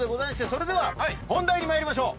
それでは本題に参りましょう！